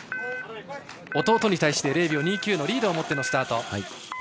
弟に対して０秒２９のリードを持ってのスタート。